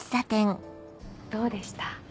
どうでした？